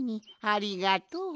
ありがとう。